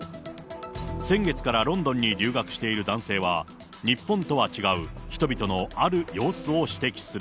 先月からロンドンに留学している男性は、日本とは違う人々のある様子を指摘する。